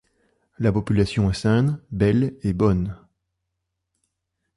La population est saine, belle et bonne.